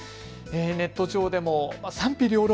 ネット上でも賛否両論